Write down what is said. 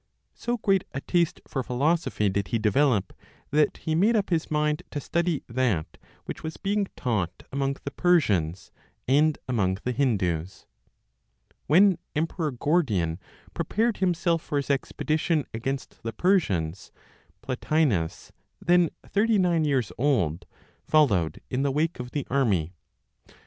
So great a taste for philosophy did he develop, that he made up his mind to study that which was being taught among the Persians, and among the Hindus. When emperor Gordian prepared himself for his expedition against the Persians, Plotinos, then 39 years old, followed in the wake of the army.